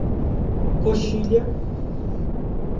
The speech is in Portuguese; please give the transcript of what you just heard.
Coxilha